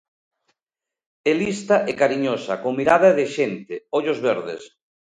É lista e cariñosa, con mirada de xente, ollos verdes.